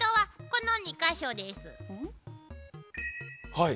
はい。